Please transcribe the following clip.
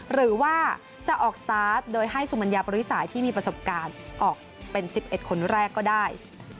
หรือว่าจะออกสตาร์ทโดยให้สุมัญญาปริสายที่มีประสบการณ์ออกเป็น๑๑คนแรกก็ได้